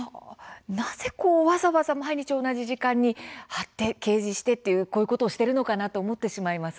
なぜ、わざわざ同じ時間に掲示して、こういうことをしているのかなと思ってしまいます。